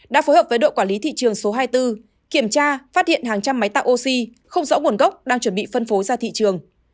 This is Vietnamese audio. đã phối hợp với đội quản lý thị trường số hai mươi bốn kiểm tra phát hiện hàng trăm máy tạo oxy không rõ nguồn gốc đang chuẩn bị phân phối ra thị trường